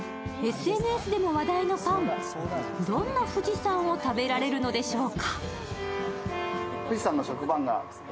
ＳＮＳでも話題のパン、どんな富士山を食べられるのでしょうか。